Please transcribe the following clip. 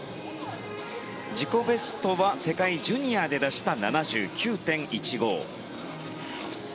自己ベストは世界ジュニアで出した７９．１５。